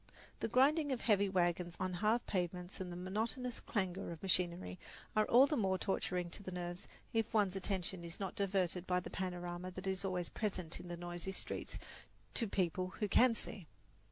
The grinding of heavy wagons on hard pavements and the monotonous clangour of machinery are all the more torturing to the nerves if one's attention is not diverted by the panorama that is always present in the noisy streets to people who can see.